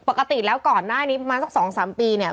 ปกติแล้วก่อนหน้านี้ประมาณสัก๒๓ปีเนี่ย